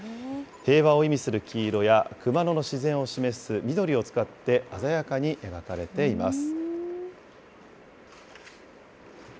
平和を意味する黄色や熊野の自然を示す緑を使って、鮮やかに描かれています。